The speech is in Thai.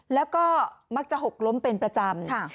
แล้วก็มักจะหกล้มเป็นประจำ